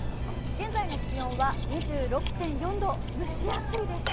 現在の気温は２６．４度、蒸し暑いです